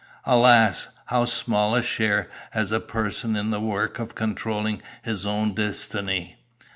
"Alas! how small a share has a person in the work of controlling his own destiny.